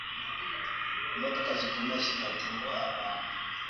imodoka zikomeye zitatenguha abantu